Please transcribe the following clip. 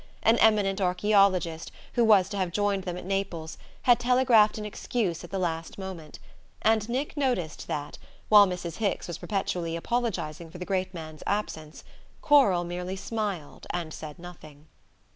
An eminent archaeologist, who was to have joined them at Naples, had telegraphed an excuse at the last moment; and Nick noticed that, while Mrs. Hicks was perpetually apologizing for the great man's absence, Coral merely smiled and said nothing.